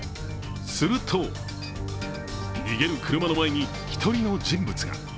すると、逃げる車の前に１人の人物が。